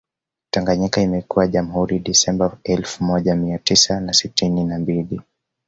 Tanganyika imekuwa Jamhuri Disemba elfu moja Mia tisa na sitini na mbili